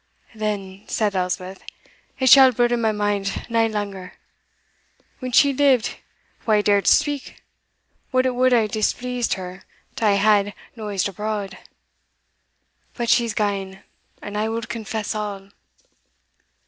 "Then," said Elspeth, "it shall burden my mind nae langer! When she lived, wha dared to speak what it would hae displeased her to hae had noised abroad? But she's gane and I will confess all."